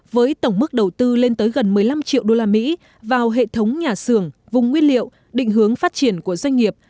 với tổng mức đầu tư lên tới gần một mươi năm triệu usd vào hệ thống nhà xưởng vùng nguyên liệu định hướng phát triển của doanh nghiệp